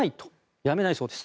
やめないそうです。